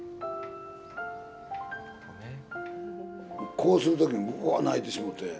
こうする時にぶわー泣いてしもうて。